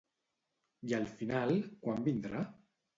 I al final quan vindrà?